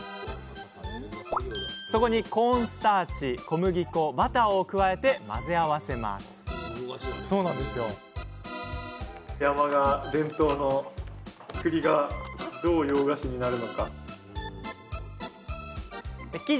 そこにコーンスターチ小麦粉バターを加えて混ぜ合わせます山鹿伝統のくりがどう洋菓子になるのか。